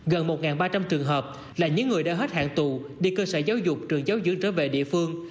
gần một ba trăm linh trường hợp là những người đã hết hạn tù đi cơ sở giáo dục trường giáo dưỡng trở về địa phương